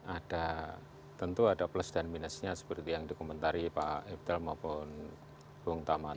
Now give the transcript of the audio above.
ada tentu ada plus dan minusnya seperti yang dikomentari pak iftel maupun bung tama tadi